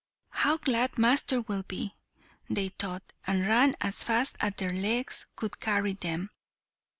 "How glad master will be!" they thought, and ran as fast as their legs could carry them.